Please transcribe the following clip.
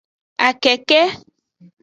Akeke.